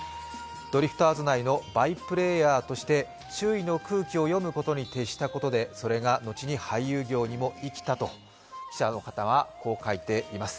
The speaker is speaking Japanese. ドリフターズ内のバイプレーヤーとして周囲の空気を読むことに徹したことでそれが後に俳優業にも生きたと記者の方は書いています。